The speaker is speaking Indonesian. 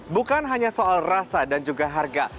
bukan hanya soal rasa dan juga harga